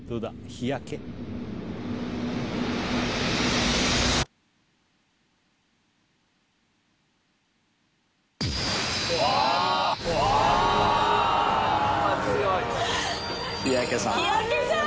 日焼さん！